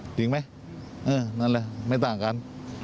จริงไหมเออนั่นแหละไม่ต่างกัน